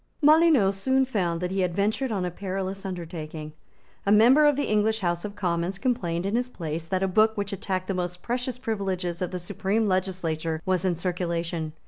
Molyneux soon found that he had ventured on a perilous undertaking. A member of the English House of Commons complained in his place that a book which attacked the most precious privileges of the supreme legislature was in circulation.